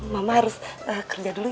mama harus kerja dulu